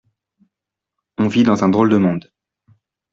On vit dans un drôle de monde.